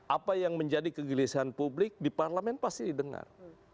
apa yang menjadi kegelisahan publik di parlemen pasti didengar